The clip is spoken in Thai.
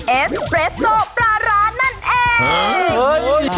เอสเปรสโซปลาร้านั่นเอง